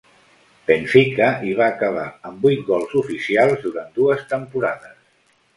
Benfica i va acabar amb vuit gols oficials durant dues temporades.